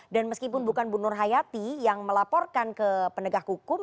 dan meskipun bukan bu nur hayati yang melaporkan ke pendegah hukum